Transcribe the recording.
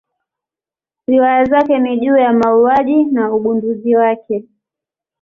Riwaya zake ni juu ya mauaji na ugunduzi wake.